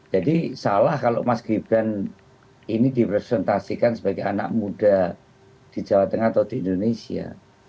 jadi salah kalau mas gibran ini dipresentasikan sebagai anak muda di jawa tengah atau di indonesia